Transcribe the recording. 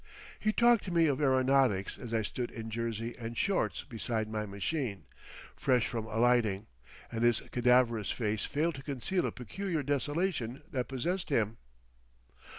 He talked to me of aeronautics as I stood in jersey and shorts beside my machine, fresh from alighting, and his cadaverous face failed to conceal a peculiar desolation that possessed him.